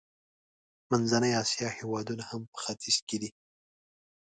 منځنۍ اسیا هېوادونه هم په ختیځ کې دي.